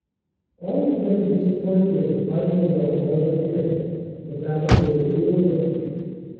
Altogether, disappointing as the final result might have been, the battle was a real victory.